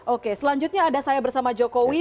oke selanjutnya ada saya bersama jokowi